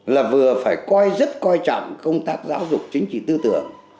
là vừa phải coi rất coi trọng công tác giáo dục chính trị tư tưởng